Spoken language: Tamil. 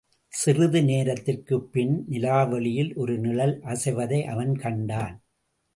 சிறிது நேரத்திற்குப்பின் நிலவொளியில் ஒரு நிழல் அசைவதை அவன் கண்டான்.